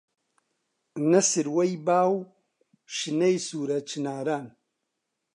نە سروەی با و شنەی سوورە چناران